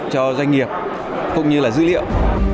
cho doanh nghiệp cũng như là dữ liệu